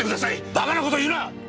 バカな事言うな！